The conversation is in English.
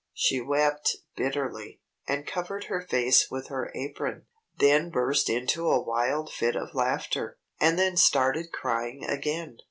She wept bitterly, and covered her face with her apron; then burst into a wild fit of laughter, and then started crying again.